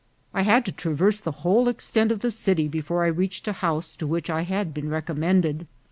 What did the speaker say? I had to traverse the whole extent of the AN UNCIVIL HOSTESS. 23 city before I reached the house to which I had been recommended.